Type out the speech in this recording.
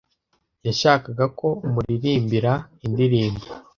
Yashakaga ko amuririmbira indirimbo.